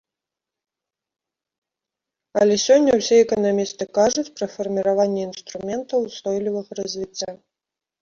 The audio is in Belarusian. Але сёння ўсе эканамісты кажуць пра фарміраванне інструментаў устойлівага развіцця.